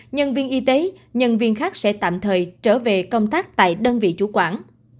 nhân viên y tế nhân viên khác sẽ tạm thời trở về công tác tại đơn vị chủ quản